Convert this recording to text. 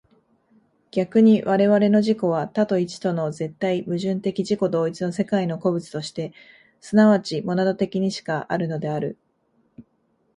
逆に我々の自己は多と一との絶対矛盾的自己同一の世界の個物として即ちモナド的にしかあるのである。